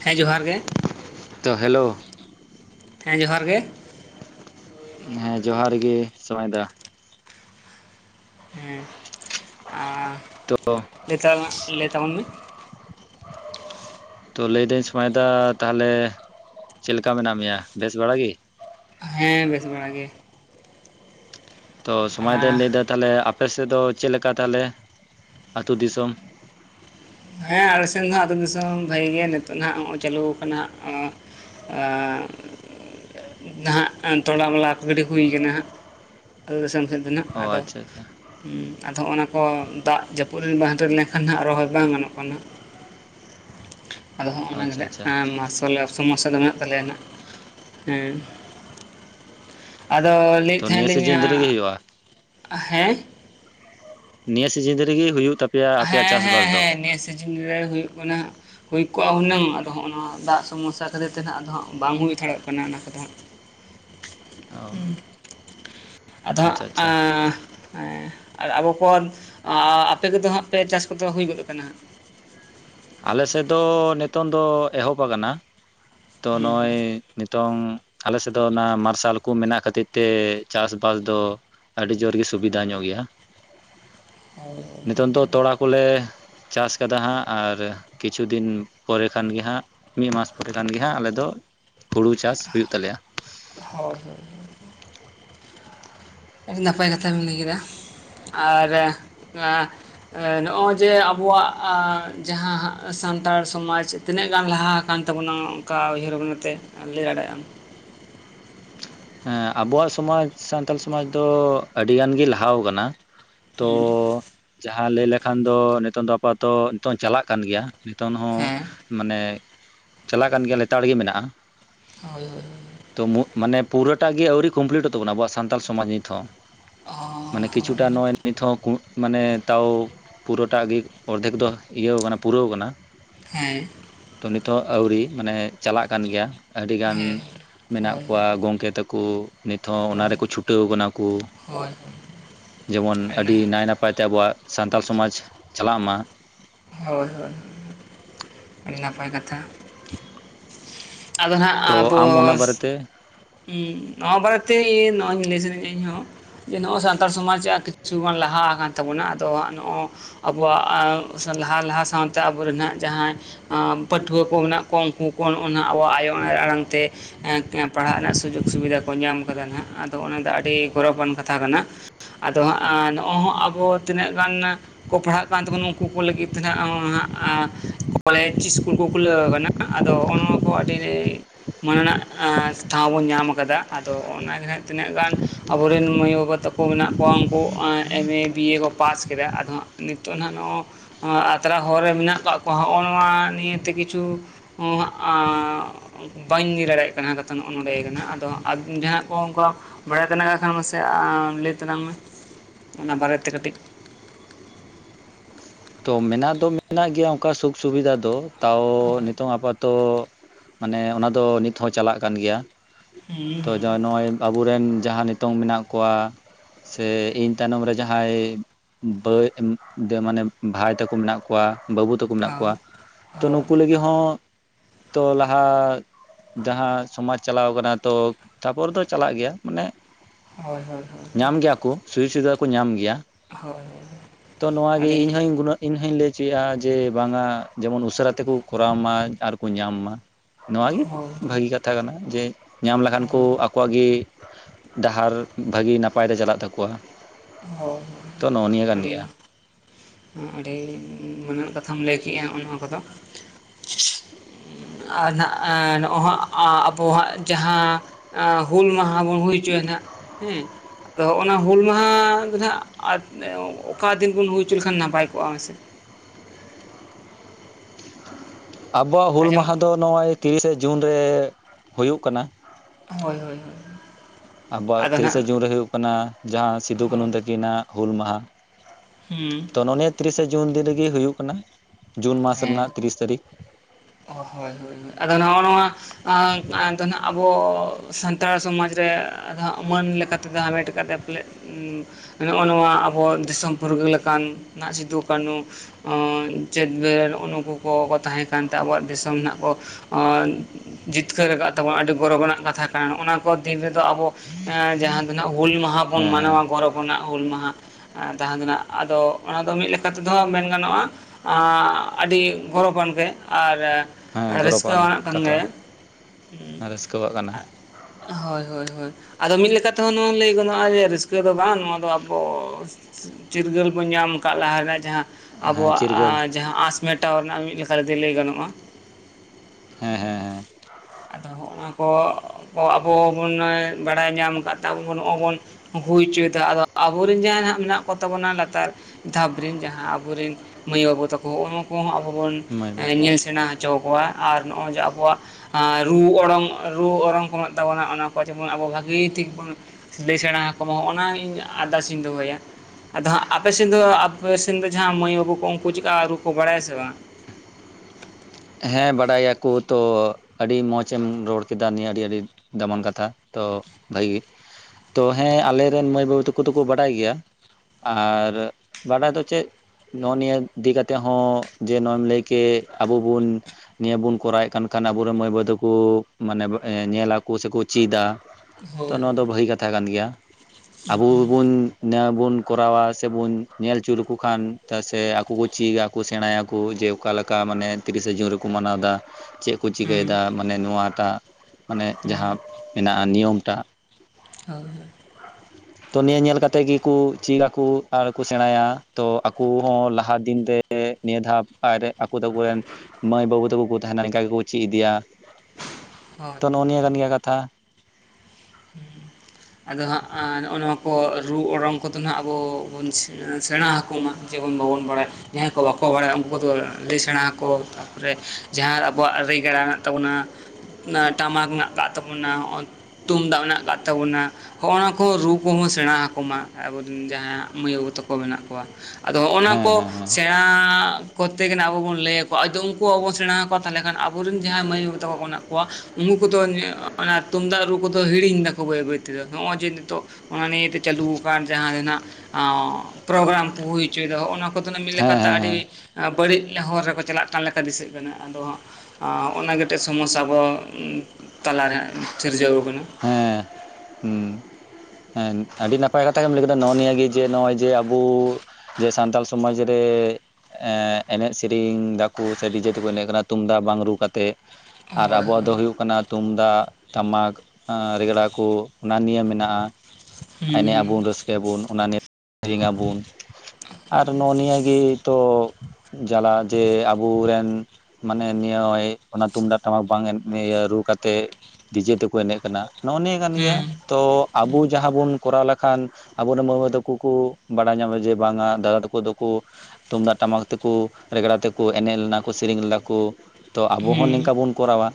ᱦᱮᱸ ᱡᱚᱦᱟᱨ ᱜᱮ? ᱛᱚ ᱦᱮᱞᱳ ᱦᱮᱸ ᱡᱚᱦᱟᱨ ᱜᱮ? ᱦᱮᱸ ᱡᱚᱦᱟᱨ ᱜᱮ ᱥᱚᱢᱟᱭ ᱫᱟ᱾ ᱦᱮᱸ ᱟ ᱛᱚ [unintelligible] ᱞᱮ ᱛᱟᱵᱚᱱ ᱢᱮ? ᱛᱚ ᱞᱟᱹᱭᱫᱟᱹᱧ ᱥᱚᱢᱚᱭᱮᱫᱟ ᱛᱟᱦᱚᱞᱮ ᱪᱮᱫ ᱞᱮᱠᱟ ᱢᱮᱱᱟᱜ ᱢᱮᱭᱟ ᱵᱮᱥ ᱵᱟᱲᱟ ᱜᱮ? ᱦᱮᱸ ᱵᱮᱥ ᱵᱟᱲᱟᱜ ᱜᱮ᱾ ᱛᱚ ᱥᱚᱢᱟᱭ ᱫᱟ ᱟᱨ ᱞᱟᱹᱭᱮᱫᱟ ᱛᱟᱦᱚᱞᱮ ᱟᱯᱮ ᱥᱮᱫ ᱫᱚ ᱪᱮᱫ ᱞᱮᱠᱟ ᱛᱟᱦᱚᱞᱮ ᱟᱹᱛᱩ ᱫᱤᱥᱚᱢ? ᱦᱮᱸ ᱟᱞᱮ ᱥᱮᱱ ᱫᱚ ᱦᱟᱜ ᱟᱹᱛᱩ ᱫᱤᱥᱚᱢ ᱵᱷᱟᱹᱜᱮ ᱜᱮᱭᱟ ᱱᱤᱛᱚᱜ ᱱᱟᱜ ᱦᱚᱸᱜᱼᱚᱭ ᱪᱟᱹᱞᱩ ᱠᱟᱱᱟᱜ ᱚ ᱟ ᱱᱟᱦᱟᱜ ᱛᱚᱲᱟ ᱵᱟᱞᱟ ᱜᱟᱹᱰᱤ ᱦᱩᱭ ᱠᱟᱱᱟ ᱦᱟᱸᱜ᱾ ᱟᱹᱛᱩ ᱫᱤᱥᱚᱢ ᱥᱮᱫ ᱫᱚ ᱦᱟᱸᱜ ᱚ ᱟᱫᱚ ᱟᱪᱪᱷᱟ ᱟᱪᱪᱷᱟ ᱦᱸ ᱟᱫᱚ ᱦᱚᱸᱜᱼᱱᱟ ᱠᱚ ᱫᱟᱜ ᱡᱟᱹᱯᱩᱫ ᱨᱮ ᱵᱟᱝ ᱦᱴᱮᱨ ᱞᱮᱱᱠᱷᱟᱱ ᱦᱟᱜ ᱨᱚᱦᱚᱭ ᱵᱟᱝ ᱜᱟᱱᱚᱜ ᱠᱟᱱᱟ᱾ ᱟᱫᱚ ᱦᱚᱸᱜ ᱟᱪᱪᱷᱟ ᱚᱱᱟ ᱟᱪᱪᱷᱟ ᱢᱟᱥᱼᱼ ᱥᱚᱢᱚᱥᱥᱟ ᱫᱚ ᱢᱮᱱᱟᱜ ᱛᱟᱞᱮᱭᱟ ᱦᱸ ᱟᱫᱚᱼᱼ ᱞᱟᱹᱭᱮᱫ ᱛᱚ ᱛᱟᱦᱮ ᱱᱤᱭᱟᱹ ᱥᱤᱡᱤᱱ ᱞᱤᱧᱟᱹ ᱨᱮᱜᱮ ᱦᱩᱭᱩᱜᱼᱟ ᱦᱮᱸ ᱱᱤᱭᱟᱹ ᱥᱤᱡᱤᱱ ᱨᱮᱜᱮᱳ ᱦᱩᱭᱩᱜᱳ ᱛᱟᱯᱼᱼ ᱦᱮᱸ ᱦᱮᱸ ᱦᱮᱸ ᱱᱤᱭᱟᱹ ᱥᱤᱡᱤᱱ ᱨᱮᱳ ᱦᱩᱭᱩᱜ ᱠᱟᱱᱟ᱾ ᱦᱩᱭ ᱠᱚᱜᱼᱟ ᱦᱩᱱᱟᱹᱝ ᱟᱫᱚ ᱦᱚᱸᱜᱼ ᱱᱚᱣᱟ ᱫᱟᱜ ᱥᱚᱢᱚᱥᱥᱟ ᱠᱷᱟᱹᱛᱤᱨ ᱛᱮ ᱦᱟᱜ ᱟᱫᱚ ᱦᱟᱜ ᱵᱟᱝ ᱦᱩᱭ ᱦᱟᱛᱟᱲᱚᱜ ᱠᱟᱱᱟ ᱚᱱᱟ ᱠᱚᱫᱚ ᱦᱟᱸᱜ [unintelligible] ᱦᱚᱢ ᱟᱫᱚ ᱟᱪᱪᱷᱟ ᱟᱪᱪᱷᱟ ᱦᱟᱸᱜ ᱟᱵᱚ ᱯᱚᱨ ᱟᱯᱮ ᱠᱚᱫᱚ ᱦᱟᱸᱜᱼᱼ ᱟᱯᱮ ᱪᱟᱥ ᱠᱚᱫᱚ ᱦᱩᱭ ᱜᱚᱫ ᱟᱠᱟᱱᱟ ᱦᱟᱜ᱾ ᱟᱞᱮ ᱥᱮᱫ ᱫᱚ ᱱᱤᱛᱚᱝ ᱫᱚ ᱮᱦᱚᱵ ᱟᱠᱟᱱᱟ ᱛᱚ ᱦᱩᱸ ᱦᱩᱸ ᱱᱚᱜᱼᱚᱭ ᱱᱤᱛᱚᱝ ᱟᱞᱮᱥᱮᱫ ᱫᱚ ᱚᱱᱟ ᱢᱟᱨᱥᱟᱞ ᱠᱚ ᱢᱮᱱᱟᱜ ᱠᱷᱟᱹᱛᱤᱨ ᱛᱮ ᱪᱟᱥᱵᱟᱥ ᱫᱚᱼᱼ ᱟᱹᱰᱤ ᱡᱳᱨᱜ ᱥᱩᱵᱤᱫᱷᱟ ᱧᱚᱜ ᱜᱮᱭᱟ ᱱᱤᱛᱚᱝ ᱫᱚ ᱛᱚᱲᱟ᱾ ᱠᱚᱞᱮ ᱪᱟᱥ ᱠᱟᱫᱟ ᱦᱟᱸᱜ ᱟᱨ ᱠᱤᱪᱷᱩ ᱫᱤᱱ ᱯᱚᱨᱮ ᱠᱷᱟᱱ ᱜᱮ ᱦᱟᱸᱜ ᱢᱤᱫ ᱢᱟᱥ ᱯᱚᱨᱮᱼᱼ ᱠᱟᱱ ᱜᱮ ᱦᱟᱜ ᱟᱞᱮ ᱫᱚ ᱦᱩᱲᱩ ᱪᱟᱥ ᱦᱩᱭᱩᱜ ᱛᱟᱞᱮᱭᱟ᱾ ᱦᱚᱭ ᱦᱚᱭ ᱟᱹᱰᱤ ᱱᱟᱯᱟᱭ ᱠᱟᱛᱷᱟ ᱵᱤᱱ ᱞᱟᱹᱭ ᱠᱮᱫᱟ ᱟᱨ ᱱᱚᱣᱟᱼᱼ ᱱᱚᱜᱼᱚᱭ ᱡᱮ ᱟᱵᱚᱣᱟᱜ ᱡᱟᱦᱟᱸᱟᱸ ᱥᱟᱱᱛᱟᱲ ᱥᱚᱢᱟᱡᱽ ᱛᱤᱱᱟᱹᱜ ᱜᱟᱱ ᱞᱟᱦᱟ ᱟᱠᱟᱱ ᱛᱟᱵᱚᱱᱟ ᱚᱱᱠᱟ ᱩᱭᱦᱟᱹᱨ ᱵᱵᱚᱱᱟᱛᱮ ᱞᱟᱹᱭ ᱫᱟᱲᱮᱭᱟᱜᱼᱟᱢ ᱦᱮᱸ ᱟᱵᱚᱣᱟᱜ ᱥᱚᱢᱟᱡᱽ ᱥᱟᱱᱛᱟᱞ ᱥᱚᱢᱟᱡᱽ ᱫᱚ ᱟᱹᱰᱤ ᱜᱟᱱ ᱜᱮ ᱞᱟᱦᱟ ᱟᱠᱟᱱᱟ᱾ ᱛᱚ ᱡᱟᱦᱟᱸ ᱞᱟᱹᱭ ᱞᱮᱠᱷᱟᱱ ᱫᱚ ᱱᱤᱛᱚᱝ ᱫᱚ ᱟᱯᱟᱛᱚ ᱱᱤᱛᱚᱝ ᱪᱟᱞᱟᱜ ᱠᱟᱱ ᱜᱮᱭᱟ᱾ ᱚᱛᱚᱱ ᱦᱚᱸ ᱦᱮᱸ ᱢᱟᱱᱮ ᱪᱟᱞᱟᱜ ᱠᱟᱱ ᱜᱮᱭᱟ ᱞᱮᱛᱟᱲ ᱜᱮ ᱢᱮᱱᱟᱜᱼᱟ᱾ ᱦᱩᱭ ᱛᱚ ᱢᱟᱱᱮ ᱯᱩᱨᱟᱹᱴᱟᱜ ᱜᱮ ᱟᱹᱣᱨᱤ ᱠᱚᱢᱯᱞᱤᱴᱚᱜ ᱛᱟᱵᱚᱱᱟ ᱟᱵᱚᱣᱟᱜ ᱥᱟᱱᱛᱟᱞ ᱥᱚᱢᱟᱡᱽ ᱱᱤᱛ ᱦᱚᱸ, ᱢᱟᱱᱮ ᱚ ᱦᱳᱭ ᱠᱤᱪᱷᱩᱴᱟ ᱱᱚᱜᱼᱚᱭ ᱱᱤᱛᱦ ᱦᱚᱸᱼᱼ ᱢᱟᱱᱮ ᱛᱟᱣ ᱯᱩᱨᱟᱹᱴᱟᱜ ᱜᱮ ᱚᱨᱫᱷᱮᱠ ᱫᱚ ᱤᱭᱟᱹᱣ ᱠᱟᱱᱟ ᱯᱩᱨᱟᱹᱣ ᱠᱟᱱᱟ᱾ ᱦᱮᱸ ᱛᱚ ᱱᱤᱛᱚᱜ ᱟᱹᱣᱨᱤ ᱢᱟᱱᱮ ᱪᱟᱞᱟᱜ ᱠᱟᱱ ᱜᱮᱭᱟ ᱟᱹᱰᱤᱜᱟᱱ ᱦᱮᱸ ᱢᱮᱱᱟᱜ ᱦᱳᱭ ᱠᱚᱣᱟ ᱜᱚᱝᱠᱼᱼ ᱜᱮ ᱛᱟᱠᱚ ᱱᱤᱛᱦᱚᱸ ᱚᱱᱟ ᱨᱮᱠᱚ ᱪᱷᱩᱴᱟᱹᱣ ᱟᱠᱟᱱᱟ ᱠᱚ ᱦᱳᱭᱼᱼ ᱡᱮᱢᱚᱱ ᱟᱹᱰᱤ ᱱᱟᱭᱼᱱᱟᱯᱟᱭ ᱛᱮ ᱟᱵᱚᱣᱟᱜ ᱥᱟᱱᱛᱟᱞ ᱥᱚᱢᱟᱡ ᱪᱟᱞᱟᱜ ᱢᱟ᱾ ᱦᱳᱭ ᱦᱳᱭ ᱟᱹᱰᱤ ᱱᱟᱯᱟᱭ ᱠᱟᱛᱷᱟ᱾ [unintelligible] ᱟᱫᱚ ᱦᱟᱸᱜ ᱛᱚ ᱟᱵᱚ ᱟᱢ ᱚᱱᱟ ᱵᱟᱨᱮᱛᱮ ᱦ ᱱᱚᱣᱟ ᱵᱟᱨᱮ ᱛᱮ ᱱᱚᱣᱟᱧ ᱞᱟᱹᱭ ᱥᱟᱱᱟ ᱤᱧ ᱦᱚᱸ ᱡᱮ ᱱᱚᱜᱚᱭ ᱥᱟᱱᱛᱟᱲ ᱥᱚᱢᱟᱡ ᱨᱮᱭᱟᱜ ᱠᱤᱪᱷᱩ ᱜᱟᱱ ᱞᱟᱦᱟ ᱟᱠᱟᱱ ᱛᱟᱵᱚᱱᱟ ᱟᱫᱚ ᱱᱚᱜᱚᱭ ᱟᱵᱚᱣᱟᱜᱼᱼ ᱞᱟᱦᱟ ᱞᱟᱦᱟ ᱥᱟᱶᱛᱮ ᱟᱵᱚᱨ ᱨᱮᱱᱟᱜ ᱡᱟᱦᱟᱸᱭᱼᱼ ᱯᱟᱹᱴᱷᱩᱣᱟᱹ ᱠᱚ ᱢᱮᱱᱟᱜ ᱠᱚᱣᱟ ᱩᱱᱠᱩ ᱠᱚ ᱱᱚᱜᱼᱚ ᱱᱟ ᱟᱵᱚᱣᱟᱜ ᱟᱭᱳ ᱟᱲ ᱟᱲᱟᱝ ᱛᱮ ᱯᱟᱲᱦᱟᱜ ᱨᱮᱱᱟᱜ ᱥᱩᱡᱳᱜᱽ ᱥᱩᱵᱤᱫᱷᱟ ᱠᱚ ᱧᱟᱢ ᱠᱟᱫᱟ ᱦᱟᱸᱜ ᱟᱫᱚ ᱚᱱᱟ ᱫᱚ ᱟᱹᱰᱤ ᱜᱚᱨᱚᱵᱽᱟᱱ ᱠᱟᱛᱷᱟ ᱠᱟᱱᱟ᱾ ᱟᱫᱚ ᱦᱟᱸᱜ ᱱᱚᱜᱼᱚᱭ ᱟᱵᱚ ᱛᱤᱱᱟᱹᱜ ᱜᱟᱱ ᱠᱚ ᱯᱟᱲᱦᱟᱜ ᱠᱟᱱ ᱛᱟᱵᱚᱱᱟ ᱩᱱᱼᱼ ᱩᱱᱠᱩ ᱠᱚ ᱞᱟᱹᱜᱤᱫ ᱛᱮ ᱱᱟᱦᱟᱜ ᱦᱟᱸᱜ ᱠᱚᱞᱮᱡᱽ ᱥᱠᱩᱞ ᱠᱚ ᱠᱷᱩᱞᱟᱹᱣ ᱟᱠᱟᱱᱟ ᱟᱫᱚ ᱱᱚᱣᱟ ᱠᱚ ᱟᱹᱰᱤ ᱢᱚᱱᱮᱱᱟᱜ ᱴᱷᱟᱶ ᱵᱚᱱ ᱧᱟᱢ ᱟᱠᱟᱫᱟ ᱟᱫᱚ ᱚᱱᱟ ᱜᱮ ᱛᱤᱱᱟᱹᱜ ᱜᱟᱱ ᱟᱵᱚᱨᱮᱱ ᱢᱟᱹᱭ ᱵᱟᱵᱟ ᱛᱟᱠᱚ ᱢᱮᱱᱟᱜ ᱠᱚᱣᱟ ᱩᱱᱠᱩ ᱮᱢ ᱮ ᱵᱤᱭᱮ ᱠᱚ ᱯᱟᱥ ᱠᱮᱫᱟ ᱟᱫᱚ ᱦᱜ ᱱᱤᱛᱚᱜ ᱱᱟᱟᱜ ᱱᱚᱼᱼ ᱟᱛᱨᱟ ᱦᱚᱨ ᱨᱮ ᱢᱮᱱᱟᱜ ᱠᱟᱜ ᱠᱚᱣᱟ ᱦᱚᱜᱼᱚ ᱱᱚᱣᱟ ᱱᱤᱭᱟᱹᱮᱛᱮ ᱠᱤᱪᱷᱩ ᱚᱝ ᱟ ᱵᱟᱹᱧ ᱤᱭᱟᱹ ᱫᱟᱲᱮᱭᱟᱜ ᱠᱟᱱᱟ ᱠᱟᱛᱷᱟ ᱱᱚᱜᱼᱚ ᱱᱸᱰᱮ ᱠᱟᱱᱟ ᱟᱫᱚ ᱡᱟᱦᱟᱸ ᱠᱚ ᱚᱱᱠᱟ ᱵᱟᱲᱟᱭ ᱛᱮᱱᱟᱜ ᱠᱟᱜ ᱠᱷᱟᱱ ᱢᱟᱥᱮ ᱞᱟᱹᱭ ᱛᱟᱞᱟᱝ ᱢᱮ ᱚᱱᱟ ᱵᱟᱨᱮᱛᱮ ᱠᱟᱹᱴᱤᱡ ᱛᱚ ᱢᱮᱱᱟᱜ ᱫᱚ ᱢᱮᱱᱟᱜ ᱜᱮᱭᱟ ᱚᱱᱠᱟ ᱥᱩᱠ ᱥᱩᱵᱤᱫᱷᱟ ᱫᱚ ᱛᱟᱣ ᱱᱤᱛᱚᱝ ᱟᱯᱟᱛᱚ ᱢᱟᱱᱮ ᱚᱱᱟ ᱫᱚ ᱱᱤᱛ ᱦᱚᱸ ᱪᱟᱞᱟᱜ ᱠᱟᱱ ᱜᱮᱭᱟ ᱦᱩᱸ ᱛᱚᱡᱟ ᱱᱚᱜᱼᱚᱭ ᱟᱵᱚᱨᱮᱱ ᱡᱟᱦᱟᱸ ᱱᱤᱛᱚᱝ ᱢᱮᱱᱟᱜ ᱠᱚᱣᱟ ᱥᱮ ᱤᱧ ᱛᱟᱭᱱᱚᱢ ᱨᱮ ᱡᱟᱦᱟᱸᱭ ᱵᱟᱹᱭ ᱢᱟᱱᱮ ᱵᱷᱟᱭ ᱛᱟᱠᱚ ᱢᱮᱱᱟᱜ ᱠᱚᱣᱟ ᱵᱟᱹᱵᱩ ᱛᱟᱠᱚ ᱢᱮᱱᱟᱜ ᱠᱚᱣᱟ ᱛᱚ ᱦᱩᱸ ᱱᱩᱠᱩ ᱞᱟᱹᱜᱤᱫ ᱦᱚᱸ ᱛᱚ ᱞᱟᱦᱟ ᱡᱟᱦᱟᱸ ᱥᱚᱢᱟᱡᱽ ᱪᱟᱞᱟᱣ ᱠᱟᱱᱟ ᱛᱚ ᱛᱟᱯᱚᱨ ᱫᱚ ᱪᱟᱞᱟᱜ ᱜᱮᱭᱟ ᱢᱟᱱᱮ ᱦᱳᱭ ᱦᱳᱭ ᱦᱳᱭ ᱦᱳᱭ ᱦᱳᱭ ᱧᱟᱢ ᱜᱮᱭᱟ ᱠᱚ ᱥᱩᱡᱳᱜ ᱥᱩᱵᱤᱫᱷᱟ ᱠᱚ ᱧᱟᱢ ᱜᱮᱭᱟ ᱦᱳᱭ ᱦᱳᱭ ᱛᱚ ᱱᱚᱣᱟ ᱜᱮ ᱟᱹᱰᱤ ᱤᱧ ᱩᱱᱟᱹᱜ ᱤᱧ ᱦᱚᱧ ᱞᱟᱹᱭ ᱪᱚᱭᱮᱭᱟ ᱡᱮ ᱵᱟᱝᱟ ᱡᱮᱢᱚᱱ ᱩᱥᱟᱹᱨᱟ ᱛᱮᱠᱚ ᱠᱚᱨᱟᱣ ᱢᱟ ᱟᱨ ᱠᱚ ᱧᱟᱢ ᱢᱟ ᱱᱚᱣᱟᱜᱮ ᱦᱳᱭ ᱦᱳᱭ ᱵᱷᱟᱹᱜᱤ ᱠᱟᱛᱷᱟ ᱠᱟᱱᱟ ᱡᱮ ᱧᱟᱢ ᱞᱮᱠᱷᱟᱱ ᱠᱚ ᱦᱳᱭ ᱟᱠ ᱟᱠᱚᱣᱟᱜ ᱜᱮ ᱰᱟᱦᱟᱨ ᱵᱷᱟᱹᱜᱤ ᱱᱟᱯᱟᱭ ᱛᱮ ᱪᱟᱞᱟᱜ ᱛᱟᱠᱚᱣᱟ ᱚ ᱛᱚ ᱱᱚᱜᱼᱚ ᱱᱤᱭᱟᱹ ᱠᱟᱱ ᱟᱹᱰᱤ ᱜᱮᱭᱟ ᱟᱹᱰᱤ ᱢᱟᱹᱱ ᱟᱱᱟᱜ ᱠᱟᱛᱷᱟᱢ ᱞᱟᱹᱭ ᱠᱮᱜᱼᱟ ᱚᱱᱚᱣᱟ ᱠᱚᱫᱚ ᱟᱨ ᱱᱟᱦᱟᱜ ᱱᱚᱜᱼᱚᱭ ᱟᱵᱚᱣᱟᱜ ᱡᱟᱦᱟᱸ ᱦᱩᱞ ᱢᱟᱦᱟ ᱵᱚᱱ ᱦᱩᱭ ᱦᱚᱪᱚᱭᱟ ᱱᱟᱦᱟᱜ ᱦᱮᱸ ᱟᱫᱚ ᱚᱱᱟ ᱦᱩᱞ ᱢᱟᱦᱟ ᱚᱱᱟ ᱫᱚ ᱱᱟᱦᱟᱜ ᱚᱠᱟ ᱫᱤᱱ ᱵᱚᱱ ᱦᱩᱭ ᱚᱪᱚ ᱞᱮᱠᱷᱟᱱ ᱱᱟᱯᱟᱭ ᱠᱚᱜᱼᱟ ᱢᱟᱥᱮ? ᱟᱵᱚᱣᱟᱜ ᱦᱩᱞ ᱟᱸᱡᱚᱢ ᱢᱟᱦᱟ ᱫᱚ ᱱᱚᱜᱼᱚᱭ ᱛᱤᱨᱤᱥᱮ ᱡᱩᱱ ᱨᱮ ᱦᱩᱭᱩᱜ ᱠᱟᱱᱟ᱾ ᱦᱳᱭ ᱦᱳᱭ ᱦᱳᱭ ᱟᱵᱚᱣᱟᱜ ᱟᱫᱚ ᱛᱤᱨᱤᱥᱟ ᱱᱟᱦᱟᱜ ᱡᱩᱱ ᱨᱮ ᱦᱩᱭᱩᱜ ᱠᱟᱱᱟ ᱡᱟᱦᱟᱸ ᱥᱤᱫᱩ ᱠᱟᱹᱱᱩ ᱦᱳᱭ ᱛᱟᱹᱠᱤᱱᱟᱜ ᱦᱩᱞ ᱢᱟᱦᱟ᱾ ᱦᱮᱸ ᱛᱚ ᱱᱚᱜᱤᱭᱟᱹ ᱛᱤᱨᱤᱥᱮ ᱡᱩᱱ ᱫᱤᱱ ᱨᱮᱜᱮ ᱦᱩᱭᱩᱜ ᱠᱟᱱᱟ ᱡᱩᱱ ᱢᱟᱥ ᱦᱮᱸ ᱨᱮᱱᱟᱜ ᱛᱤᱨᱤᱥ ᱛᱟᱹᱨᱤᱠᱷ ᱚ ᱦᱳᱭ ᱦᱳᱭ ᱟᱫᱚ ᱱᱚᱜᱚ ᱱᱚᱣᱟ [unintelligible] ᱟᱵᱚ ᱥᱟᱱᱛᱟᱲ ᱥᱚᱢᱟᱡᱽ ᱨᱮ ᱟᱫᱚ ᱦᱟᱸᱜ ᱢᱟᱹᱱ ᱞᱮᱠᱟᱛ ᱫᱟ ᱦᱟᱢᱮᱴ ᱠᱟᱛᱮ ᱯᱟᱞᱮ ᱱᱚᱜᱼᱚ ᱱᱚᱣᱟ ᱟᱵᱚ ᱫᱤᱥᱚᱢ ᱯᱷᱩᱨᱜᱟᱹᱞᱟᱠᱟᱱ ᱱᱟᱜ ᱥᱤᱫᱩ ᱠᱟᱱᱩ ᱚᱸ ᱪᱮᱫ ᱵᱮ ᱱᱩᱜᱩ ᱱᱩᱠᱩ ᱠᱚᱠᱚ ᱛᱟᱦᱮᱸ ᱠᱟᱱᱛᱮ ᱟᱵᱚᱣᱟᱜ ᱫᱤᱥᱚᱢ ᱱᱟᱜ ᱠᱚ ᱡᱤᱛᱠᱟᱹᱨ ᱟᱠᱟᱫ ᱛᱟᱵᱚᱱᱟ ᱟᱹᱰᱤ ᱜᱚᱨᱚᱵᱽ ᱟᱱᱟᱜ ᱠᱟᱛᱷᱟ ᱠᱟᱱᱟ ᱦᱚᱱᱚᱜᱟ ᱠᱚ ᱫᱤᱱ ᱨᱮᱫᱚ ᱟᱵᱚ ᱮ ᱡᱟᱦᱟᱸ ᱫᱤᱱᱟᱜ ᱦᱩᱞ ᱢᱟᱦᱟ ᱵᱚᱱ ᱦᱮᱸ ᱦᱮᱸ ᱢᱟᱱᱟᱣᱟ ᱜᱚᱨᱚᱵ ᱵᱚᱱᱟᱜ ᱦᱩᱞ ᱢᱟᱦᱟ ᱡᱟᱦᱟᱸ ᱨᱮᱱᱟᱜ ᱟᱫᱚ ᱚᱱᱟ ᱫᱚ ᱢᱤᱫ ᱞᱮᱠᱟᱛᱮᱫᱚ ᱢᱮᱱ ᱜᱟᱱᱚᱜᱼᱟ ᱟ ᱟᱹᱰᱤ ᱜᱚᱨᱚᱵᱟᱱ ᱜᱮ ᱟᱨᱮ ᱮ ᱦᱮᱸ ᱨᱟᱹᱥᱠᱟᱹ ᱜᱚᱨᱚᱵᱟᱱ ᱟᱱᱟᱜ ᱠᱟᱱ ᱜᱮ ᱠᱟᱛᱷᱟ ᱨᱟᱹᱥᱠᱟᱹᱣᱟᱜ ᱠᱟᱱᱟ ᱦᱳᱭ ᱦᱳᱭ ᱦᱳᱭ ᱟᱫᱚ ᱢᱤᱫ ᱞᱮᱠᱟ ᱛᱮᱦᱚᱸ ᱱᱚᱣᱟ ᱞᱟᱹᱭ ᱜᱟᱱᱚᱜᱼᱟ ᱡᱮ ᱨᱟᱹᱥᱠᱟᱹ ᱫᱚ ᱵᱟᱝ ᱱᱚᱣᱟ ᱫᱚ ᱟᱵᱚ ᱪᱤᱨᱜᱟᱹᱞ ᱵᱚᱱ ᱧᱟᱢ ᱟᱠᱟᱫ ᱞᱟᱦᱟ ᱨᱮ ᱡᱟᱦᱟᱸ ᱦᱮᱸ ᱟᱵᱚᱣᱟᱜ ᱪᱤᱨᱜᱟᱹᱞ ᱡᱟᱦᱟᱸ ᱟᱸᱥ ᱢᱮᱴᱟᱣ ᱨᱮᱱᱟᱜ ᱢᱤᱫ ᱞᱮᱠᱟᱛᱮ ᱞᱟᱹᱭ ᱜᱟᱱᱚᱜᱼᱟ᱾ ᱦᱮᱸ ᱦᱮᱸ ᱦᱮᱸ ᱦᱚᱜᱚ ᱱᱟ ᱠᱚ ᱟᱵᱚ ᱵᱚᱱ ᱵᱟᱲᱟᱭ ᱧᱟᱢ ᱠᱟᱫ ᱛᱮ ᱟᱵᱚ ᱱᱚᱜᱚᱵᱚᱱ ᱦᱩᱭ ᱪᱚᱭᱫᱟ ᱟᱫᱚ ᱟᱵᱚᱨᱮᱱ ᱡᱟᱦᱟᱸᱭ ᱦᱟᱜ ᱢᱮᱱᱟᱜ ᱠᱚ ᱛᱟᱵᱚᱱᱟ ᱞᱟᱛᱟᱨ ᱡᱟᱦᱟ ᱵᱮᱨᱮᱱ ᱡᱟᱦᱟ ᱟᱵᱚ ᱨᱮᱱ ᱢᱟᱹᱭ ᱵᱟᱹᱵᱩ ᱛᱟᱠᱚ ᱦᱚᱜᱚ ᱱᱩᱠᱩ ᱦᱚ ᱟᱵᱚ ᱵᱚᱱ ᱢᱟᱹᱭ ᱵᱟᱹᱵᱩ ᱛᱟᱠᱚ ᱧᱮᱞ ᱥᱮᱬᱟ ᱦᱚᱪᱚ ᱠᱟᱣᱟ ᱟᱨ ᱱᱚᱜᱼᱚᱭ ᱡᱮ ᱟᱵᱚᱣᱟᱜ ᱟ ᱨᱩ ᱚᱲᱚᱝ ᱨᱩ ᱚᱨᱚᱝ ᱠᱚ ᱢᱮᱱᱟᱜ ᱛᱟᱵᱚᱱᱟ ᱚᱱᱟ ᱠᱚ ᱡᱮᱢᱚᱱ ᱟᱵᱚ ᱵᱷᱟᱹᱜᱤ ᱴᱷᱤᱠ ᱵᱚᱱ ᱞᱟᱹᱭ ᱥᱮᱸᱲᱟ ᱟᱠᱚ ᱢᱮ ᱚᱱᱟ ᱤᱧ ᱟᱨᱫᱟᱥ ᱤᱧ ᱫᱚᱦᱚᱭᱟ ᱟᱫᱚ ᱦᱟᱸᱜ ᱟᱯᱮ ᱥᱮᱫ ᱫᱚ ᱟᱯᱮ ᱥᱮᱱ ᱫᱚ ᱡᱟᱦᱟᱸ ᱢᱟᱹᱭ ᱵᱟᱹᱵᱩ ᱠᱚ ᱩᱱᱠᱩ ᱪᱮᱫᱠᱟ ᱨᱩ ᱠᱚ ᱵᱟᱲᱟᱭᱟ ᱥᱮ ᱵᱟᱝ? ᱦᱮᱸ ᱵᱟᱰᱟᱭᱟᱠᱚ ᱛᱚ ᱟᱹᱰᱤ ᱢᱚᱸᱡᱽ ᱮᱢ ᱨᱚᱲ ᱠᱮᱫᱟ ᱱᱤᱭᱟᱹ ᱟᱹᱰᱤ ᱟᱹᱰᱤ ᱫᱟᱢᱟᱱ ᱠᱟᱛᱷᱟ ᱛᱚ ᱵᱷᱟᱹᱜᱤ ᱜᱮ ᱛᱚ ᱦᱮᱸ ᱟᱞᱮ ᱨᱮᱱ ᱢᱟᱹᱭ ᱵᱟᱹᱵᱩ ᱛᱟᱠᱚ ᱫᱚᱠᱚ ᱵᱟᱰᱟᱭ ᱜᱮᱭᱟ ᱟᱨ ᱵᱟᱰᱟᱭ ᱫᱚ ᱪᱮᱫ? ᱱᱚᱜᱼᱚ ᱱᱤᱭᱟᱹ ᱤᱫᱤ ᱠᱟᱛᱮᱜ ᱦᱚᱸ ᱡᱮ ᱱᱚᱜ ᱮᱢ ᱞᱟᱹᱭ ᱠᱮᱫ ᱟᱵᱚ ᱵᱚᱱ ᱱᱤᱭᱟᱹ ᱵᱚᱱ ᱠᱚᱨᱟᱣᱮᱫ ᱠᱟᱱ ᱠᱷᱟᱱ ᱟᱵᱚᱨᱮᱱ ᱢᱟᱹᱭ ᱵᱟᱹᱭ ᱛᱟᱠᱚ ᱢᱟᱱᱮ ᱧᱮᱞᱟᱠᱚ ᱥᱮᱠᱚ ᱪᱮᱫᱟ ᱛᱚ ᱦᱳᱭ ᱱᱚᱣᱟ ᱫᱚ ᱦᱳᱭ ᱵᱷᱟᱹᱜᱤ ᱠᱟᱛᱷᱟ ᱠᱟᱱ ᱜᱮᱭᱟ ᱟᱵᱚ ᱵᱚᱱ ᱵᱚᱱ ᱠᱚᱨᱟᱣᱟ ᱥᱮᱵᱚᱱ ᱧᱮᱞ ᱦᱚᱪᱚ ᱞᱮᱠᱚ ᱠᱷᱟᱱ ᱥᱮ ᱟᱠᱚ ᱠᱚ ᱪᱮᱫᱟ ᱥᱮᱸᱲᱟᱭᱟ ᱠᱚ ᱡᱮ ᱚᱠᱟᱞᱮᱠᱟ ᱢᱟᱱᱮ ᱛᱤᱨᱤᱥᱟ ᱡᱩᱱ ᱨᱮᱠᱚ ᱢᱟᱱᱟᱣᱫᱟ ᱪᱮᱫ ᱠᱚ ᱦᱩᱸ ᱪᱤᱠᱟᱹᱭᱮᱫᱟ ᱢᱟᱱᱮ ᱱᱚᱣᱟᱴᱟᱜ ᱢᱟᱱᱮ ᱦᱩᱸ ᱡᱟᱦᱟᱸ ᱢᱮᱱᱟᱜᱼᱟ ᱱᱤᱭᱚᱢ ᱴᱟᱜ ᱦᱳᱭ ᱦᱳᱭ [inaudible] ᱛᱚ ᱱᱤᱭᱟᱹ ᱧᱮᱞ ᱠᱟᱛᱮᱜ ᱜᱮᱠᱚ ᱪᱮᱫ ᱟᱠᱚ ᱟᱨᱠᱚ ᱥᱮᱸᱲᱟᱭᱟ ᱛᱚ ᱟᱠᱚ ᱦᱚᱸ ᱞᱟᱦᱟ ᱫᱤᱱᱨᱮ ᱡᱮ ᱱᱤᱭᱟᱹ ᱫᱷᱟᱯ ᱟᱨ ᱟᱠᱚ ᱛᱟᱠᱚ ᱨᱮᱱ ᱢᱟᱹᱭ ᱵᱟᱹᱵᱩ ᱛᱟᱠᱚ ᱠᱚ ᱛᱟᱦᱮᱱᱟ ᱤᱱᱠᱟ ᱜᱮᱠᱚ ᱪᱮᱫ ᱤᱫᱤᱭᱟ ᱦᱳᱭ ᱛᱚ ᱦᱳᱭ ᱱᱚᱜᱼᱚ ᱱᱤᱭᱟᱹ ᱠᱟᱱ ᱜᱮᱭᱟ ᱠᱟᱛᱷᱟ [unintelligible] ᱟᱫᱚ ᱦᱟᱸᱜ ᱱᱚᱜᱼᱚ ᱱᱚᱣᱟ ᱠᱚ ᱨᱩ ᱚᱨᱚᱝ ᱠᱚᱫᱚ ᱱᱟᱜ ᱟᱵᱚ ᱵᱚᱱ ᱥᱮᱸᱲᱟ ᱟᱠᱚ ᱢᱟ ᱡᱮᱢᱚᱱ ᱵᱟᱵᱚᱱ ᱵᱟᱲᱟᱭᱟ ᱡᱟᱦᱟᱸᱭ ᱠᱚ ᱵᱟᱠᱚ ᱵᱟᱲᱟᱭᱟ ᱩᱱᱠᱩ ᱫᱚ ᱞᱟᱹᱭ ᱥᱮᱸᱲᱟ ᱟᱠᱚ ᱛᱟᱨᱯᱚᱨᱮ ᱡᱟᱦᱟᱸ ᱟᱵᱚᱣᱟᱜ ᱨᱮᱜᱟᱲᱟ ᱢᱮᱱᱟᱜ ᱛᱟᱵᱚᱱᱟ ᱴᱟᱢᱟᱠ ᱢᱮᱱᱟᱜ ᱟᱠᱟᱫ ᱛᱟᱵᱚᱱᱟ ᱛᱩᱢᱫᱟᱜ ᱢᱮᱱᱟᱜ ᱟᱠᱟᱫ ᱛᱟᱵᱚᱱᱟ ᱦᱚᱜᱼᱱᱟ ᱠᱚ ᱨᱩ ᱠᱚᱦᱚᱸ ᱥᱮᱸᱲᱟ ᱟᱠᱚᱢᱟ ᱟᱵᱚᱨᱮᱱ ᱡᱟᱦᱟᱸ ᱢᱟᱹᱭ ᱵᱟᱹᱵᱩ ᱛᱟᱠᱚ ᱢᱮᱱᱟᱜ ᱠᱚᱣᱟ ᱟᱫᱚ ᱦᱚᱸᱜ ᱱᱚᱣᱟ ᱦᱮᱸ ᱠᱚ ᱦᱮᱸ ᱥᱮᱸᱲᱟ ᱠᱚᱨᱛᱮ ᱜᱮ ᱟᱵᱚ ᱵᱚᱱ ᱞᱟᱹᱭ ᱟᱠᱚᱣᱟ ᱡᱚᱫᱤ ᱩᱱᱠᱩ ᱦᱚᱸᱵᱚᱱ ᱥᱮᱸᱲᱟ ᱟᱠᱚᱣᱟ ᱛᱟᱦᱚᱞᱮ ᱠᱷᱟᱱ ᱟᱵᱚᱨᱮᱱ ᱡᱟᱦᱟᱸᱭ ᱢᱟᱹᱭ ᱵᱟᱹᱵᱩ ᱢᱮᱱᱟᱜ ᱠᱚᱣᱟ ᱩᱱᱠᱩ ᱠᱚᱫᱚ ᱛᱩᱢᱫᱟᱜ ᱨᱩ ᱠᱚᱫᱚ ᱦᱤᱲᱤᱧ ᱫᱟᱠᱚ ᱵᱟᱹᱭ ᱵᱟᱹᱭ ᱛᱮᱫᱚ ᱱᱚᱜᱼᱚᱭ ᱡᱮ ᱱᱤᱛᱚᱜ ᱚᱱᱟ ᱱᱤᱭᱮᱛᱮ ᱪᱟᱹᱞᱩ ᱟᱠᱟᱱ ᱡᱟᱦᱟᱸ ᱦᱮᱱᱟᱜ ᱚᱸᱜ ᱯᱨᱳᱜᱨᱟᱢ ᱠᱚ ᱦᱩᱭ ᱦᱚᱪᱚᱭᱮᱫᱟ ᱱᱚᱜᱼᱚ ᱱᱚᱣᱟ ᱠᱚᱫᱚ ᱢᱤᱫ ᱦᱮᱸ ᱞᱮᱠᱟᱛᱮ ᱦᱮᱸ ᱦᱮᱸ ᱦᱮᱸ ᱟᱹᱰᱤ ᱵᱟᱹᱲᱤᱡ ᱦᱚᱨ ᱨᱮᱠᱚ ᱪᱟᱞᱟᱜ ᱠᱟᱱ ᱞᱮᱠᱟ ᱫᱤᱥᱟᱹᱜ ᱠᱟᱱᱟ ᱟᱫᱚ ᱦᱟᱸᱜ ᱚᱱᱟ ᱜᱮᱴᱮᱡ ᱥᱚᱢᱚᱥᱟ ᱵᱚ ᱛᱟᱞᱟᱨᱮ ᱥᱤᱨᱡᱟᱹᱣ ᱟᱠᱟᱱᱟ ᱦᱮᱸ ᱦᱩᱸ ᱦᱮᱸ ᱟᱹᱰᱤ ᱱᱟᱯᱟᱭ ᱠᱟᱛᱷᱟ ᱜᱮᱢ ᱞᱟᱹᱭ ᱠᱮᱫᱟ ᱱᱚᱜᱼᱚ ᱱᱤᱭᱟᱹᱜᱮ ᱡᱮ ᱱᱚᱜᱼᱚᱭ ᱡᱮ ᱟᱵᱚ ᱡᱮ ᱥᱟᱱᱛᱟᱞ ᱥᱚᱢᱟᱡᱽ ᱨᱮ ᱮᱸᱜ ᱮᱱᱮᱡ ᱥᱮᱨᱮᱧ ᱫᱟᱠᱚ ᱥᱮ ᱰᱤᱡᱮ ᱛᱮᱠᱚ ᱮᱱᱮᱡ ᱠᱟᱱᱟ ᱛᱩᱢᱫᱟᱜ ᱵᱟᱝ ᱨᱩ ᱠᱟᱛᱮ ᱛᱮ ᱟᱨ ᱦᱳᱭ ᱟᱵᱚᱣᱟᱜ ᱫᱚ ᱦᱳᱭ ᱦᱩᱭᱩᱜ ᱠᱟᱱᱟ ᱛᱩᱢᱫᱟᱜ ᱴᱟᱢᱟᱠ ᱟᱸ ᱨᱮᱜᱽᱲᱟ ᱠᱚ ᱚᱱᱟ ᱱᱤᱭᱟᱹ ᱢᱮᱱᱟᱜᱼᱟ ᱮᱱᱮᱡ ᱦᱩᱸ ᱟᱵᱚᱱ ᱨᱟᱹᱥᱠᱟᱹᱭᱟᱵᱚᱱ ᱚᱱᱟ [inaudible] ᱥᱮᱨᱮᱧ ᱟᱵᱚᱱ ᱟᱨ ᱱᱚᱜᱼᱚᱭ ᱱᱤᱭᱟᱹ ᱜᱮ ᱛᱚ ᱡᱟᱞᱟ ᱡᱮ ᱟᱵᱚᱨᱮᱱ ᱢᱟᱱᱮ ᱱᱤᱭᱟᱹ ᱚᱱᱟ ᱛᱩᱢᱫᱟᱜ ᱴᱟᱢᱟᱠ ᱵᱟᱝ ᱤᱭᱟᱹ ᱨᱩ ᱠᱟᱛᱮᱫ ᱰᱤᱡᱮ ᱛᱮᱠᱚ ᱮᱱᱮᱡ ᱠᱟᱱᱟ ᱱᱚᱜᱼᱚᱭ ᱱᱤᱭᱟᱹ ᱠᱟᱱ ᱜᱮᱭᱟ ᱦᱩᱸ ᱛᱚ ᱟᱵᱚ ᱡᱟᱦᱟᱸ ᱵᱚᱱ ᱠᱚᱨᱟᱣ ᱞᱮᱠᱷᱟᱱ ᱟᱵᱚᱨᱮᱱ ᱢᱟᱹᱭ ᱵᱟᱹᱵᱩ ᱛᱟᱠᱚ ᱠᱚ ᱵᱟᱲᱟᱭ ᱧᱟᱢᱟ ᱡᱮ ᱵᱟᱝ-ᱟ ᱫᱟᱫᱟ ᱛᱟᱠᱚ ᱫᱚᱠᱚ ᱛᱩᱢᱫᱟᱜ ᱴᱟᱢᱟᱠ ᱛᱮᱠᱚ ᱨᱮᱜᱽᱲᱟ ᱛᱮᱠᱚ ᱮᱱᱮᱡ ᱞᱮᱱᱟ ᱠᱚ ᱥᱮᱨᱮᱧ ᱞᱮᱫᱟ ᱠᱚ ᱛᱚ ᱦᱩᱸ ᱟᱵᱚ ᱦᱚᱸ ᱦᱩᱸ ᱱᱤᱝᱠᱟ ᱵᱚᱱ ᱠᱚᱨᱟᱣᱟ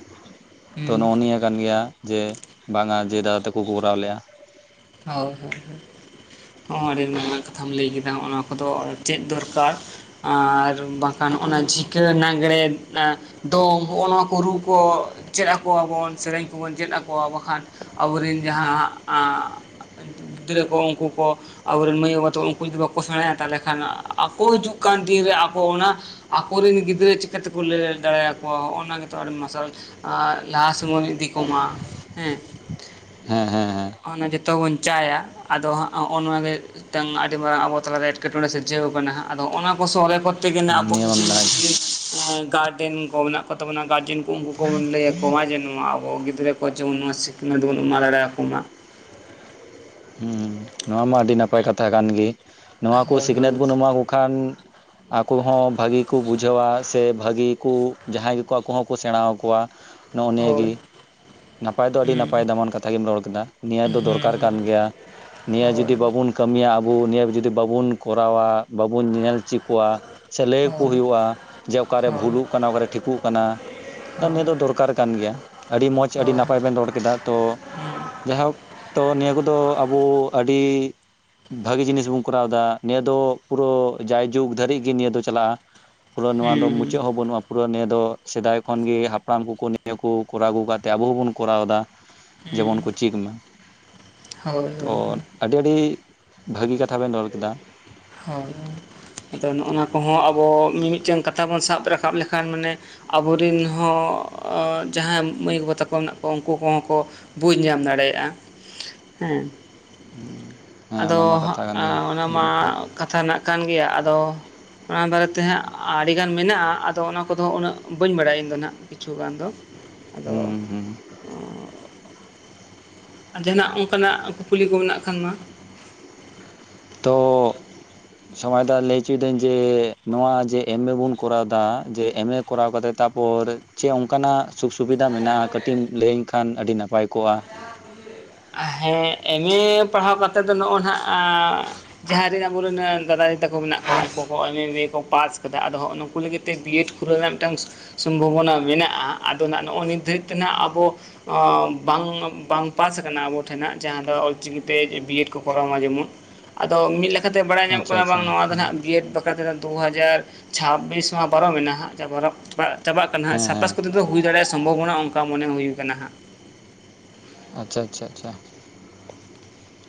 ᱛᱚ ᱦᱩᱸ ᱱᱚᱜᱼᱚ ᱱᱤᱭᱟᱹ ᱠᱟᱱ ᱜᱮᱭᱟ ᱡᱮ ᱵᱟᱝᱟ ᱡᱮ ᱫᱟᱫᱟ ᱛᱮᱠᱚ ᱠᱚᱨᱟᱣ ᱞᱮᱼᱟ ᱦᱳᱭ ᱦᱳᱭ ᱦᱳᱭ ᱦᱚᱸ ᱟᱹᱰᱤ ᱢᱟᱨᱟᱝ ᱠᱟᱛᱷᱟᱢ ᱞᱟᱹᱭ ᱠᱮᱫᱟ ᱦᱚᱜᱚᱱᱟ ᱠᱚᱫᱚ ᱪᱮᱫ ᱫᱚᱨᱠᱟᱨ ᱟᱨ ᱵᱟᱝᱠᱷᱟᱱ ᱱᱚᱜ ᱱᱟ ᱡᱷᱤᱤᱠᱟᱹ ᱱᱟᱜᱽᱬᱮ ᱫᱚᱝ ᱦᱚᱸᱜᱼᱚ ᱱᱚᱣᱟ ᱠᱚ ᱨᱩ ᱠᱚ ᱪᱮᱫ ᱟᱠᱚᱣᱟᱵᱚᱱ ᱥᱮᱨᱮᱧ ᱠᱚᱵᱚᱱ ᱪᱮᱫ ᱟᱠᱚᱣᱟ ᱵᱟᱠᱷᱟᱱ ᱟᱵᱚᱨᱤᱱ ᱡᱟᱦᱟᱸ ᱦᱟᱜ ᱟ ᱜᱤᱫᱽᱨᱟᱹ ᱠᱚ ᱩᱱᱠᱩ ᱠᱚ ᱟᱵᱚᱨᱮᱱ ᱢᱟᱹᱭ ᱵᱟᱵᱟ ᱛᱟᱠᱚ ᱩᱱᱠᱩ ᱡᱩᱫᱤ ᱵᱟᱠᱚ ᱥᱮᱬᱟᱭᱟ ᱛᱟᱦᱚᱞᱮ ᱠᱷᱟᱱ ᱟᱠᱚ ᱦᱤᱡᱩᱜ ᱠᱟᱱ ᱫᱤᱱ ᱨᱮ ᱟᱠᱚ ᱚᱱᱟ ᱟᱠᱚᱨᱮᱱ ᱜᱤᱫᱽᱨᱟᱹ ᱪᱤᱠᱟᱹᱛᱮᱠᱚ ᱞᱟᱹᱭ ᱫᱟᱲᱮᱭᱟᱠᱚᱣᱟ ᱦᱚᱜᱚᱱᱟ ᱜᱮᱛᱚ ᱟᱹᱰᱤ ᱢᱟᱨᱥᱟᱞ ᱟᱨ ᱞᱟᱦᱟ ᱥᱮᱱᱵᱚᱱ ᱤᱫᱤ ᱠᱚᱢᱟ ᱦᱮᱸ ᱦᱮᱸ ᱦᱮᱸ ᱦᱮᱸ ᱚᱱᱟ ᱡᱚᱛᱚ ᱵᱚᱱ ᱪᱟᱭᱟ ᱟᱫᱚ ᱦᱟᱜ ᱦᱚᱸᱜᱚ ᱱᱚᱣᱟ ᱜᱮ ᱢᱤᱫᱴᱟᱝ ᱟᱹᱰᱤ ᱢᱟᱨᱟᱝ ᱟᱵᱚ ᱛᱟᱞᱟᱨᱮ ᱮᱴᱠᱮᱴᱚᱬᱮ ᱥᱤᱨᱡᱟᱹᱣ ᱠᱟᱱᱟ ᱦᱟᱸᱜ ᱟᱫᱚ ᱦᱚᱜᱚᱱᱟ ᱠᱚ ᱥᱚᱦᱨᱮ ᱠᱚ ᱛᱮᱜᱮ ᱱᱟ ᱟᱵᱚ ᱱᱤᱭᱟᱹ ᱢᱟ ᱢᱤᱫᱫᱤᱱ ᱢᱮᱱᱟᱜ ᱜᱮ ᱜᱟᱨᱰᱮᱱ ᱠᱚ ᱢᱮᱱᱟᱜ ᱠᱚᱛᱟ ᱵᱚᱱᱟ ᱜᱟᱨᱡᱮᱱ ᱩᱱᱠᱩ ᱠᱚᱵᱚᱱ ᱞᱟᱹᱭ ᱟᱠᱚ ᱢᱟ ᱡᱮ ᱱᱚᱣᱟ ᱟᱵᱚ ᱜᱤᱫᱽᱨᱟᱹ ᱠᱚ ᱡᱮᱢᱚᱱ ᱱᱚᱣᱟ ᱥᱤᱠᱷᱱᱟᱹᱛ ᱵᱚᱱ ᱮᱢᱟ ᱫᱟᱲᱮ ᱟᱠᱚ ᱢᱟ ᱦᱩᱸ ᱱᱚᱣᱟ ᱢᱟ ᱟᱹᱰᱤ ᱱᱟᱯᱟᱭ ᱠᱟᱛᱷᱟ ᱠᱟᱱ ᱜᱮ ᱱᱚᱣᱟ ᱠᱚ ᱦᱳᱭ ᱥᱤᱠᱷᱱᱟᱹᱛ ᱦᱳᱭ ᱵᱚᱱ ᱮᱢᱟ ᱠᱚ ᱠᱷᱟᱱ ᱟᱠᱚ ᱦᱚᱸ ᱵᱷᱟᱹᱜᱤ ᱠᱚ ᱵᱩᱡᱷᱟᱹᱣᱟ ᱥᱮ ᱵᱷᱟᱹᱜᱤ ᱠᱚ ᱡᱟᱦᱟᱸᱭ ᱜᱮᱠᱚ ᱟᱠᱚ ᱦᱚᱸᱠᱚ ᱥᱮᱬᱟ ᱟᱠᱚᱣᱟ ᱱᱚᱜᱚ ᱱᱤᱭᱟᱹ ᱦᱳᱭ ᱜᱤ ᱱᱟᱯᱟᱭ ᱫᱚ ᱟᱹᱰᱤ ᱦᱩᱸ ᱱᱟᱯᱟᱭ ᱫᱟᱢᱟᱱ ᱠᱟᱛᱷᱟ ᱜᱮᱢ ᱨᱚᱲ ᱠᱟᱫᱟ ᱱᱤᱭᱟᱹ ᱦᱩᱸ ᱫᱚ ᱫᱚᱨᱠᱟᱨ ᱦᱩᱸ ᱠᱟᱱ ᱜᱮᱭᱟ ᱱᱤᱭᱟᱹ ᱡᱩᱫᱤ ᱦᱳᱭ ᱵᱟᱵᱼᱼ ᱵᱚᱱ ᱠᱟᱹᱢᱤᱭᱟ ᱟᱵᱚ ᱱᱤᱭᱟᱹ ᱡᱩᱫᱤ ᱵᱟᱵᱚᱱ ᱠᱚᱨᱟᱣᱟ ᱵᱟᱵᱚᱱ ᱧᱮᱞ ᱪᱚ ᱠᱚᱣᱟ ᱥᱮ ᱦᱳᱭ ᱞᱟᱹᱭᱟᱠᱚ ᱦᱩᱭᱩᱜᱼᱟ ᱡᱮ ᱦᱳᱭ ᱚᱠᱟᱨᱮ ᱦᱳᱭ ᱵᱷᱩᱞᱩᱜ ᱠᱟᱱᱟ ᱚᱠᱟᱨᱮ ᱴᱷᱤᱠᱚᱜ ᱠᱟᱱᱟ ᱟᱨ ᱦᱳᱭ ᱦᱩᱸ ᱱᱤᱭᱟᱹ ᱦᱩᱸ ᱫᱚ ᱫᱚᱨᱠᱟᱨ ᱠᱟᱱ ᱜᱮᱭᱟ ᱟᱹᱰᱤ ᱢᱚᱡᱽ ᱟᱹᱰᱤ ᱱᱟᱯᱟᱭ ᱵᱮᱱ ᱨᱚᱲ ᱠᱮᱫᱟ ᱛᱚ ᱡᱟᱭᱦᱳᱠ ᱛᱚ ᱱᱤᱭᱟᱹ ᱠᱚᱫᱚ ᱟᱵᱚ ᱟᱹᱰᱤ ᱵᱷᱟᱜᱤ ᱡᱤᱱᱤᱥ ᱵᱚᱱ ᱠᱚᱨᱟᱣᱫᱟ ᱱᱤᱭᱟᱹ ᱫᱚ ᱯᱩᱨᱟᱹ ᱡᱟᱭᱡᱩᱜᱽ ᱫᱷᱟᱹᱨᱤᱡ ᱜᱮ ᱱᱤᱭᱟᱹ ᱫᱚ ᱪᱟᱞᱟᱜᱼᱟ᱾ ᱯᱩᱨᱟᱹ ᱱᱚᱣᱟ ᱫᱚ ᱢᱩᱪᱟᱹᱫ ᱦᱚᱸ ᱦᱩᱸ ᱵᱟᱹᱱᱩᱜᱼᱟ ᱯᱩᱨᱟᱹ ᱱᱤᱭᱟᱹ ᱫᱚ ᱥᱮᱫᱟᱭ ᱠᱷᱚᱱᱜᱮ ᱦᱟᱯᱲᱟᱢ ᱠᱚᱠᱚ ᱱᱤᱭᱟᱹ ᱠᱚ ᱠᱚᱨᱟᱣ ᱟᱹᱜᱩ ᱠᱟᱜᱛᱮ ᱟᱵᱚ ᱦᱚᱸᱵᱚᱱ ᱠᱚᱨᱟᱣ ᱫᱟ᱾ ᱦᱩᱸ ᱡᱮᱢᱚᱱ ᱠᱚ ᱪᱮᱫ ᱢᱟ ᱦᱳᱭ ᱦᱳᱭ ᱦᱳᱭ ᱚᱞ ᱟᱹᱰᱤ ᱟᱹᱰᱤ ᱵᱷᱟᱹᱜᱤ ᱠᱟᱛᱷᱟ ᱵᱮᱱ ᱨᱚᱲ ᱠᱮᱫᱟ ᱦᱳᱭ ᱟᱫᱚ ᱱᱚᱜᱚᱱᱟ ᱠᱚᱦᱚᱸ ᱟᱵᱚ ᱢᱤᱢᱤᱫᱴᱮᱱ ᱠᱟᱛᱷᱟ ᱵᱚᱱ ᱥᱟᱵ ᱨᱟᱠᱟᱵ ᱞᱮᱠᱷᱟᱱ ᱢᱟᱱᱮ ᱟᱵᱚᱨᱤᱱ ᱦᱚᱸ ᱡᱟᱦᱟᱸᱭ ᱢᱟᱹᱭ ᱜᱚᱜᱚ ᱛᱟᱠᱚ ᱢᱮᱱᱟᱜ ᱠᱚᱣᱟ ᱩᱱᱠᱩ ᱠᱚᱦᱚᱸ ᱠᱚ ᱵᱩᱡ ᱧᱟᱢ ᱫᱟᱲᱮᱭᱟᱜᱼᱟ ᱦᱮᱸ [unintelligible] ᱟᱫᱚ ᱠᱟᱛᱷᱟ ᱠᱟᱱ ᱜᱮ ᱦᱟᱸᱜ ᱚᱱᱟ ᱟᱹᱰᱤ ᱢᱟ ᱱᱟᱯᱟᱭ ᱠᱟᱛᱷᱟ ᱨᱮᱱᱟᱜ ᱠᱟᱱ ᱜᱮᱭᱟ ᱟᱫᱚ ᱚᱱᱟ ᱵᱟᱨᱮᱛᱮ ᱦᱟᱸᱜ ᱟᱹᱰᱤᱜᱟᱱ ᱢᱮᱱᱟᱜᱼᱟ ᱟᱫᱚ ᱚᱱᱟ ᱠᱚᱫᱚ ᱩᱱᱟᱹᱜ ᱵᱟᱹᱧ ᱵᱟᱲᱟᱭᱟ ᱤᱧ ᱫᱚ ᱱᱟᱦᱟᱜ ᱠᱤᱪᱷᱩ ᱜᱟᱱ ᱫᱚ ᱟᱫᱚ ᱦᱩᱸ ᱦᱩᱸ ᱚ ᱟᱨ ᱡᱟᱦᱟᱱᱟᱜ ᱚᱱᱠᱟᱱᱟᱜ ᱠᱩᱠᱞᱤ ᱠᱚ ᱢᱮᱱᱟᱜ ᱠᱷᱟᱱ ᱢᱟ ᱛᱚᱻ ᱥᱚᱢᱚᱭ ᱫᱟ ᱞᱟᱹᱭ ᱪᱚᱭᱫᱟᱹᱧ ᱡᱮ ᱱᱚᱣᱟ ᱡᱮ ᱮᱢ ᱮ ᱵᱚᱱ ᱠᱚᱨᱟᱣᱮᱫᱟ ᱡᱮ ᱮᱢ ᱮ ᱠᱚᱨᱟᱣ ᱠᱟᱛᱮ ᱛᱟᱯᱚᱨᱮ ᱪᱮᱫ ᱚᱱᱠᱟᱱᱟᱜ ᱥᱩᱠ ᱥᱩᱵᱤᱫᱷᱟ ᱢᱮᱱᱟᱜᱼᱟ ᱠᱟᱹᱴᱤᱡ ᱮᱢ ᱞᱟᱹᱭᱟᱹᱧ ᱠᱷᱟᱱ ᱟᱹᱰᱤ ᱱᱟᱯᱟᱭ ᱠᱚᱜᱼᱟ? ᱦᱮᱸ ᱮᱢ ᱮ ᱯᱟᱲᱦᱟᱣ ᱠᱟᱛᱮᱫ ᱫᱚ ᱱᱚᱜᱚ ᱱᱟᱜ ᱟᱻ ᱡᱟᱦᱟᱸᱭ ᱨᱤᱱ ᱟᱵᱚᱨ ᱨᱤᱱ ᱫᱟᱫᱟ ᱫᱤᱫᱤ ᱛᱟ ᱠᱚ ᱢᱮᱱᱟᱜ ᱠᱚᱣᱟ ᱩᱱᱠᱩ ᱠᱚ ᱮᱢ ᱮ ᱠᱤ ᱮ ᱠᱚ ᱯᱟᱥ ᱠᱟᱫᱟ ᱟᱫᱚ ᱦᱚᱸᱜ ᱱᱩᱠᱩ ᱞᱟᱹᱜᱤᱫ ᱛᱮ ᱵᱤᱭᱮᱰ ᱠᱷᱩᱞᱟᱹᱣ ᱨᱮᱱᱟᱜ ᱢᱤᱫᱴᱟᱝ ᱥᱚᱢᱵᱷᱚᱵᱚᱱᱟ ᱢᱮᱱᱟᱜᱼᱟ ᱟᱫᱚ ᱱᱟᱜ ᱱᱚᱼᱚᱜ ᱱᱤᱛ ᱫᱷᱟᱹᱨᱤᱡ ᱛᱮ ᱱᱟᱜ ᱟᱵᱚ ᱚᱸᱻ ᱵᱟᱝ ᱵᱟᱝ ᱯᱟᱥ ᱠᱟᱱᱟ ᱟᱵᱚ ᱴᱷᱮᱱᱟᱜ ᱡᱟᱦᱟᱸ ᱫᱚ ᱚᱞᱪᱤᱠᱤᱛᱮ ᱵᱤᱮᱰ ᱠᱚ ᱠᱚᱨᱟᱣ ᱢᱟ ᱡᱮᱢᱚᱱ ᱟᱫᱚ ᱢᱤᱫᱞᱟᱠ ᱤᱱᱟᱛᱮ ᱵᱟᱲᱟᱭ ᱧᱟᱢᱚᱜ ᱟᱪᱪᱷᱟ ᱠᱟᱱᱟ ᱟᱪᱪᱷᱟ ᱵᱟᱝ ᱱᱚᱣᱟ ᱫᱚ ᱦᱮᱸ ᱱᱟᱦᱟᱜ ᱵᱤᱭᱮᱰ ᱫᱚ ᱱᱚᱛᱮᱱᱟᱜ ᱫᱩ ᱦᱟᱟᱡᱟᱨ ᱪᱷᱟᱵᱤᱥ ᱢᱟ ᱯᱟᱨᱚᱢ ᱮᱱᱟ ᱦᱟᱸᱜ [unintelligible] ᱯᱟᱜ ᱪᱟᱵᱟᱜ ᱠᱟᱱᱟ ᱦᱟᱸᱜ ᱦᱮᱸ ᱦᱮᱸ ᱥᱟᱛᱯᱟᱥ ᱠᱚᱛᱮ ᱫᱚ ᱦᱩᱭ ᱫᱟᱲᱮᱭᱟᱜ ᱥᱚᱢᱵᱷᱚᱵᱚᱱᱟ ᱚᱱᱠᱟ ᱢᱚᱱᱮ ᱦᱩᱭᱟ ᱠᱟᱱᱟ ᱦᱟᱸᱜ ᱟᱪᱪᱷᱟ ᱟᱪᱪᱷᱟ ᱟᱪᱪᱷᱟ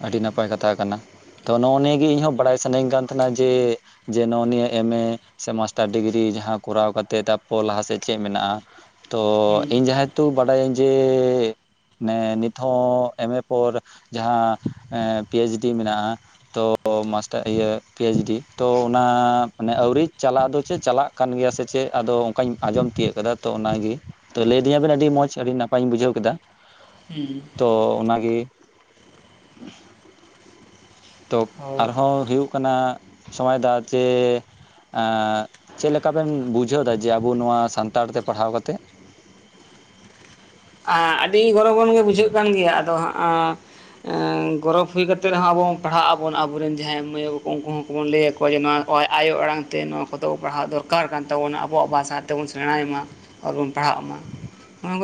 ᱟᱹᱰᱤ ᱱᱟᱯᱟᱭ ᱠᱟᱛᱷᱟ ᱠᱟᱱᱟ᱾ ᱛᱚ ᱱᱚᱜᱼᱚ ᱱᱤᱭᱟ. ᱜᱮ ᱤᱧᱦᱚᱸ ᱵᱟᱲᱟᱭ ᱥᱟᱱᱟᱧ ᱠᱟᱱ ᱛᱟᱦᱮᱱᱟ ᱡᱮ ᱱᱚᱜᱼᱚ ᱱᱤᱭᱟᱹ ᱮᱢᱮ ᱥᱮ ᱢᱟᱥᱴᱟᱨ ᱰᱤᱜᱽᱨᱤ ᱡᱟᱸᱦᱟᱸ ᱠᱚᱨᱟᱣ ᱠᱟᱛᱮᱫ ᱛᱟᱨᱯᱚᱨ ᱞᱟᱦᱟ ᱥᱮᱫ ᱪᱮᱫ ᱢᱮᱱᱟᱜᱼᱟ? ᱛᱚ ᱦᱩᱸ ᱤᱧ ᱡᱟᱦᱟᱭᱛᱩ ᱵᱟᱰᱟᱭᱟᱹᱧ ᱡᱮ ᱱᱮ ᱱᱤᱛ ᱦᱚᱸ ᱮᱢᱮ ᱯᱚᱨ ᱡᱟᱸᱦᱟᱸ ᱯᱤ ᱮᱭᱤᱪ ᱰᱤ ᱢᱮᱱᱟᱜᱼᱟ, ᱛᱚ ᱢᱟᱥᱴᱟᱨ ᱤᱭᱟᱹ ᱯᱤ ᱮᱭᱤᱪ ᱰᱤ ᱛᱚ ᱚᱱᱟ ᱟᱹᱣᱨᱤ ᱪᱟᱞᱟᱜ ᱫᱚ ᱪᱮᱫ ᱪᱟᱞᱟᱜ, ᱠᱟᱱ ᱜᱮᱭᱟ ᱥᱮ ᱪᱮᱫ ᱟᱫᱚ ᱚᱱᱠᱟᱧ ᱟᱸᱡᱚᱢ ᱛᱤᱭᱟᱹᱜ ᱠᱟᱫᱟ ᱛᱚ ᱚᱱᱟᱜᱮ᱾ ᱛᱚ ᱞᱟᱹᱭᱫᱤᱧᱟ ᱵᱮᱱ ᱟᱹᱰᱤ ᱢᱚᱸᱡᱽ ᱟᱹᱰᱤ ᱱᱟᱯᱟᱭ ᱤᱧ ᱵᱩᱡᱷᱟᱹᱣ ᱠᱮᱫᱟ᱾ ᱦᱮᱸ ᱛᱚ ᱚᱱᱟᱜᱮ ᱛᱳ ᱦᱳᱭ ᱟᱨᱦᱚᱸ ᱦᱩᱭᱩᱜ ᱠᱟᱱᱟ ᱥᱚᱢᱟᱭ ᱫᱟ ᱡᱮ, ᱟ ᱪᱮᱫ ᱞᱮᱠᱟᱵᱮᱱ ᱵᱩᱡᱷᱟᱹᱣ ᱮᱫᱟ ᱡᱮ ᱟᱵᱚ ᱱᱚᱣᱟ ᱥᱟᱱᱛᱟᱲ ᱛᱮ ᱯᱟᱲᱦᱟᱣ ᱠᱟᱛᱮᱫ᱾ ᱟᱹᱰᱤ ᱜᱚᱨᱚᱵᱟᱱ ᱜᱮ ᱵᱩᱡᱷᱟᱹᱜ ᱠᱟᱱ ᱜᱮᱭᱟ ᱟᱫᱚ ᱦᱟᱸᱜ᱾ ᱜᱚᱨᱚᱵᱽ ᱦᱩᱭ ᱠᱟᱛᱮᱫ ᱦᱚᱸ ᱟᱵᱚ ᱯᱟᱲᱦᱟᱜ ᱟᱵᱚᱱ ᱟᱵᱚᱨᱮᱱ ᱡᱟᱦᱟᱸᱭ ᱢᱟᱹᱭ ᱵᱟᱹᱵᱩ ᱛᱟᱠᱚ ᱩᱱᱠᱩ ᱦᱚᱸ᱾ ᱵᱚᱱ ᱞᱟᱹᱭ ᱟᱠᱚᱣᱟ ᱡᱮ ᱱᱚᱣᱟ ᱟᱭᱳ ᱟᱲᱟᱝ ᱛᱮ ᱱᱚᱣᱟ ᱠᱚᱫᱚ ᱯᱟᱲᱦᱟᱜ ᱫᱚᱨᱠᱟᱨ ᱠᱟᱱ ᱛᱟᱵᱚᱱᱟ ᱟᱵᱚᱣᱟᱜ ᱵᱷᱟᱥᱟ ᱛᱮᱵᱚᱱ ᱥᱮᱬᱟᱭ ᱢᱟ᱾ ᱟᱨ ᱵᱚᱱ ᱯᱟᱲᱦᱟᱜ ᱢᱟ᱾ ᱱᱚᱣᱟ